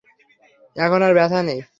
এখন আর ব্যথা নেই।